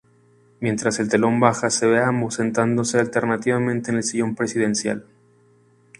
Mientras el telón baja se ve a ambos sentándose alternativamente en el sillón presidencial.